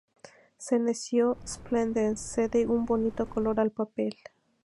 Senecio Splendens... cede un bonito color al papel.